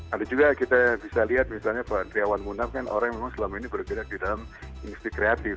ada juga kita bisa lihat misalnya pak triawan munaf kan orang yang memang selama ini bergerak di dalam industri kreatif